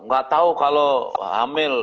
gak tau kalau hamil